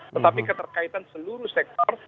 tetapi keterkaitan seluruh sektor